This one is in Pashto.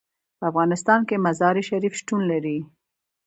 په افغانستان کې مزارشریف شتون لري.